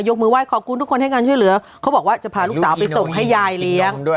มือไห้ขอบคุณทุกคนให้การช่วยเหลือเขาบอกว่าจะพาลูกสาวไปส่งให้ยายเลี้ยง